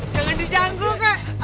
jangan dijanggung kek